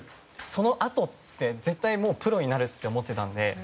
そのあとって、絶対プロになるって思ってたので。